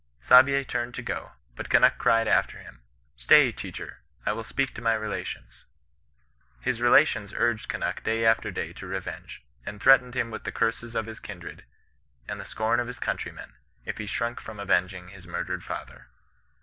Saabye turned to go; but Kimnuk cried after him, ' Stay, teacher ; I wiU speak to my relations.' " His relations urged Kunnuk day after day to revenge, and threatened him with the curses of his kindred, a^ the scorn of his countrymen, if he shrunk from avenging his murdered father.